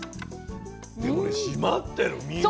でもね締まってる身が。